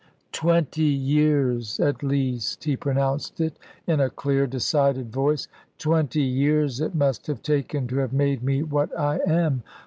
"Twenty years at least," he pronounced it, in a clear decided voice; "twenty years it must have taken to have made me what I am.